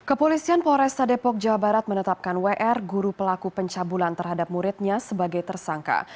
kepolisian polresta depok jawa barat menetapkan wr guru pelaku pencabulan terhadap muridnya sebagai tersangka